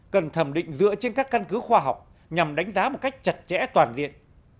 cần thẩm định dựa trên các căn cứ khoa học nhằm đánh giá một cách chặt chẽ toàn diện